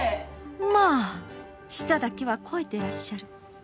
まあ舌だけは肥えてらっしゃる